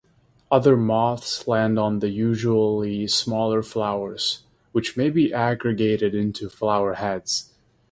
Other moths land on the usually smaller flowers, which may be aggregated into flowerheads.